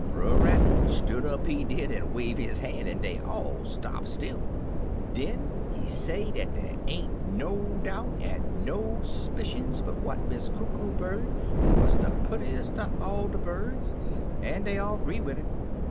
Brer Rabbit stood up, he did, an' wave his ban*, an' dey all stop still. Den he say dat dey ain't no doubt an' no s'pi cions but what Miss Coo Coo Bird wuz de purtiest er all de birds, an' dey all 'gree wid 'im.